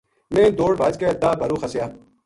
میں دوڑ بھج کے داہ بھارو خسیا